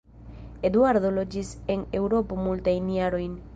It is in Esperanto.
Eduardo loĝis en Eŭropo multajn jarojn.